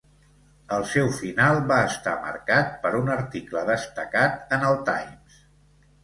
El seu final va estar marcat per un article destacat en el "Times".